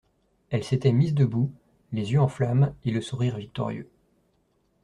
Elle s'était mise debout, les yeux en flammes, et le sourire victorieux.